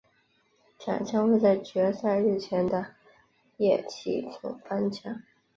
奖项会在决赛日前的夜祭作颁奖。